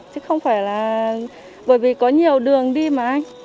chứ không phải là bởi vì có nhiều đường đi mà anh